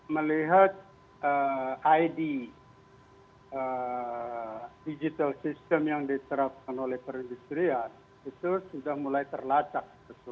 melihat id digital system yang diterapkan oleh perindustrian itu sudah mulai terlacak